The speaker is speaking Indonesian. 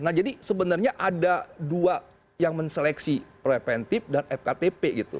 nah jadi sebenarnya ada dua yang menseleksi preventif dan fktp gitu